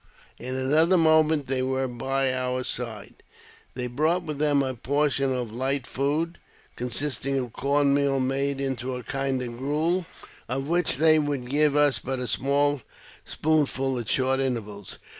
In another moment they were by our side. They brought with them a portion of light food, con sisting of corn meal made into a kind of gruel, of which they would give us but a small spoonful at short intervals.